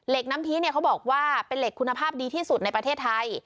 น้ำพีเนี่ยเขาบอกว่าเป็นเหล็กคุณภาพดีที่สุดในประเทศไทย